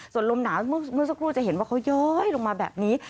ส่วนลมหนาวเมื่อสักครู่จะเห็นว่าเขาย้อยลงมาแบบนี้